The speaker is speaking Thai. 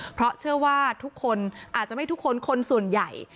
เพราะเชื่อว่าทุกคนอาจจะไม่ทุกคนคนส่วนใหญ่